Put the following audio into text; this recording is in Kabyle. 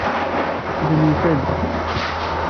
Atan yusa-d.